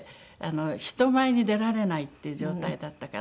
人前に出られないっていう状態だったから。